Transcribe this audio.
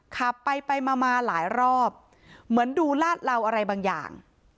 ขับไปไปมามาหลายรอบเหมือนดูลาดเหลาอะไรบางอย่าง